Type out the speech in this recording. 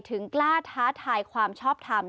กล้าท้าทายความชอบทำ